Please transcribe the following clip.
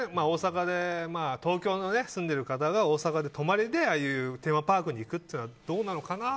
東京の住んでる方が大阪で泊まりでテーマパークに行くというのはどうなのかな。